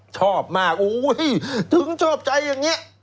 ชอบมากถึงชอบใจอย่างนี้